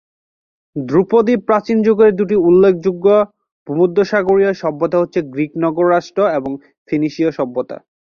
ধ্রুপদী প্রাচীন যুগের দুটি উল্লেখযোগ্য ভূমধ্যসাগরীয় সভ্যতা হচ্ছে গ্রীক নগর রাষ্ট্র এবং ফিনিশীয় সভ্যতা।